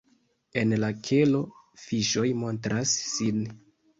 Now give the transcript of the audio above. En la kelo fiŝoj montras sin.